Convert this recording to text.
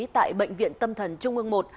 tại bệnh viện tâm thần trung ương một